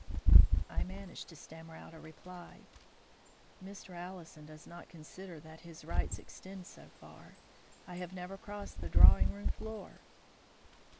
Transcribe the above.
I managed to stammer out a reply, "Mr. Allison does not consider that his rights extend so far. I have never crossed the drawing room floor."